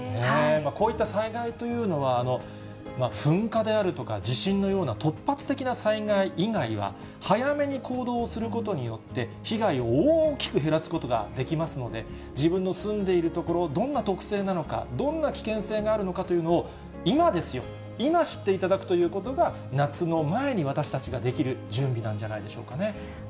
こういった災害というのは、噴火であるとか地震のような突発的な災害以外は、早めに行動することによって、被害を大きく減らすことができますので、自分の住んでいる所、どんな特性なのか、どんな危険性があるのかというのを、今ですよ、今知っていただくということが、夏の前に、私たちができる準備なんじゃないでしょうかね。